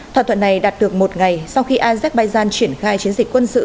thỏa thuận này đạt được một ngày sau khi azerbaijan triển khai chiến dịch quân sự